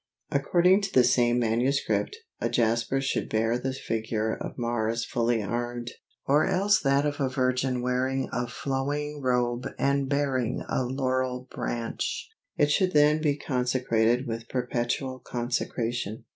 According to the same manuscript, a jasper should bear the figure of Mars fully armed, or else that of a virgin wearing a flowing robe and bearing a laurel branch. It should then be "consecrated with perpetual consecration."